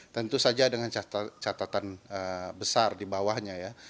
tentu saja dengan catatan besar di bawahnya ya